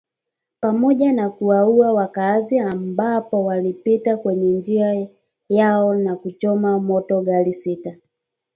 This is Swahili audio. pamoja na kuwaua wakaazi ambapo walipita kwenye njia yao na kuchoma moto magari sita